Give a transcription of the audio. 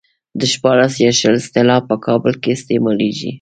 د شپاړس يا شل اصطلاح په کابل کې استعمالېږي.